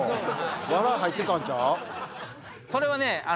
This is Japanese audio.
笑い入ってたんちゃう？